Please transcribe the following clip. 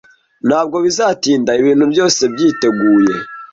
Ntabwo bizatinda ibintu byose byiteguye